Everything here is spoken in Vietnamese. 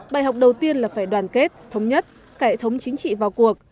bài học đầu tiên là phải đoàn kết thống nhất cải thống chính trị vào cuộc